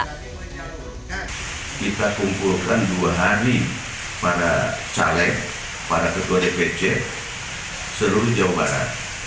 kita kumpulkan dua hari para caleg para ketua dpc seluruh jawa barat